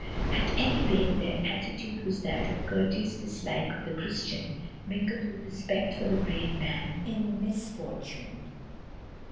At any rate, their attitude was that of courteous dislike of the Christian, mingled with respect for the brave man in misfortune.